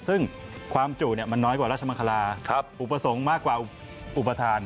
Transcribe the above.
ซึ่งความจุมันน้อยกว่าราชมังคลาอุปสรรคมากกว่าอุปทาน